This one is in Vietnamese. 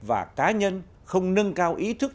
và cá nhân không nâng cao ý thức